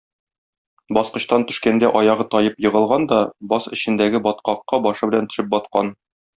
Баскычтан төшкәндә аягы таеп егылган да баз эчендәге баткакка башы белән төшеп баткан.